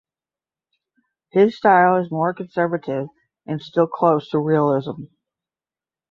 His style is more conservative and still close to realism.